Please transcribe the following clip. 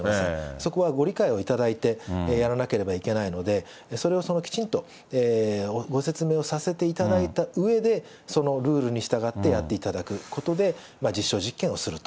そこはご理解を頂いてやらなければいけないので、それをきちんとご説明をさせていただいたうえでそのルールに従ってやっていただくことで、実証実験をすると。